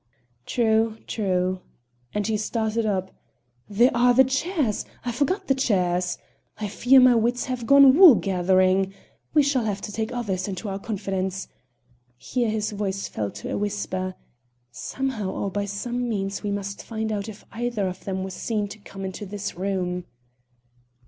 "True, true!" and he started up; "there are the chairs! I forgot the chairs. I fear my wits have gone wool gathering. We shall have to take others into our confidence." Here his voice fell to a whisper. "Somehow or by some means we must find out if either of them was seen to come into this room."